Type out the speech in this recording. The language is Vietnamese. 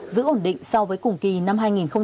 giữ ổn định so với cùng kỳ năm hai nghìn một mươi tám